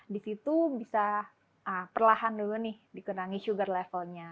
di situ bisa perlahan dulu dikurangi level gula